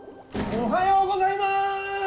おはようございます。